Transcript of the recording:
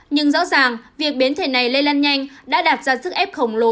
nhưng rõ ràng việc biến thể này lây lan nhanh đã đạt ra sức ép khổng lồ